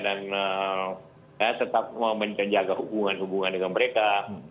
dan saya tetap mau menjaga hubungan hubungan dengan mereka